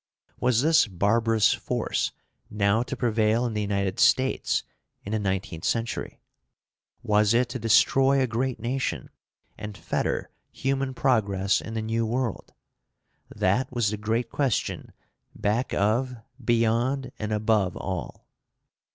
Was this barbarous force now to prevail in the United States in the nineteenth century? Was it to destroy a great nation, and fetter human progress in the New World? That was the great question back of, beyond and above all.